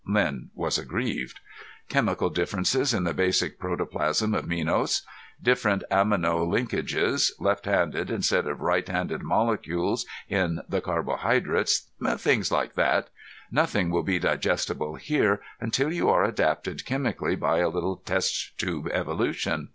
Len was aggrieved. "Chemical differences in the basic protoplasm of Minos. Different amino linkages, left handed instead of right handed molecules in the carbohydrates, things like that. Nothing will be digestible here until you are adapted chemically by a little test tube evolution.